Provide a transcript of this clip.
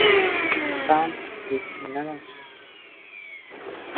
Peindre est une aventure.